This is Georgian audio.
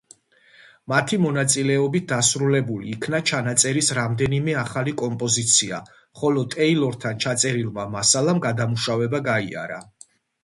მათი მონაწილეობით დასრულებული იქნა ჩანაწერის რამდენი ახალი კომპოზიცია, ხოლო ტეილორთან ჩაწერილმა მასალამ გადამუშავება გაიარა.